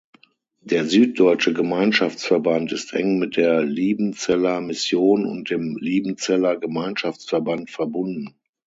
Der Süddeutsche Gemeinschaftsverband ist eng mit der Liebenzeller Mission und dem Liebenzeller Gemeinschaftsverband verbunden.